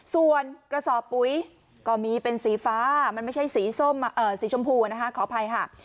ส่วนกระสอบปุ๋ยก็มีเป็นสีฝ้ามันไม่ใช่สีสมอ่าสีชมพูนะฮะขอบายฮะ